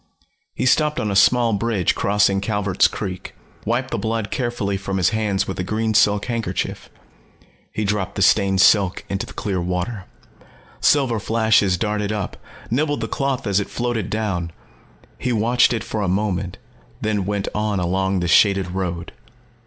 He stopped on a small bridge crossing Calvert's Creek, wiped the blood carefully from his hands with a green silk handkerchief. He dropped the stained silk into the clear water. Silver flashes darted up, nibbled the cloth as it floated down. He watched it for a moment, then went on along the shaded road.